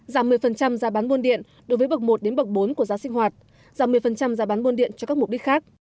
giảm một mươi giá bán buôn điện đối với bậc một đến bậc bốn của giá sinh hoạt giảm một mươi giá bán buôn điện cho các mục đích khác